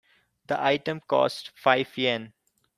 The item costs five Yen.